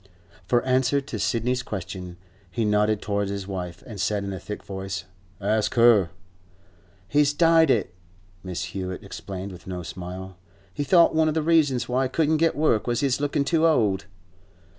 For answer to Sidney's question, he nodded towards his wife, and said in a thick voice, 'Ask her.' 'He's dyed it,' Mrs. Hewett explained, with no smile. 'He thought one of the reasons why he couldn't get work was his lookin' too old.